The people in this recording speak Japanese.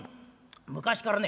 昔からね